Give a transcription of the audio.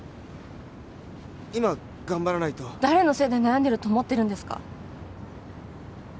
今頑張らないと誰のせいで悩んでると思ってるんですか